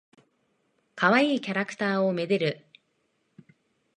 かわいいキャラクターを愛でる。